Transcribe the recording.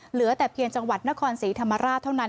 เหลือแต่เพียงจังหวัดนครศรีธรรมราชเท่านั้น